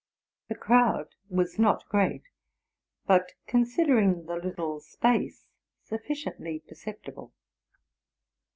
The crowd was not great, but, considering the little space, sufficiently perceptible.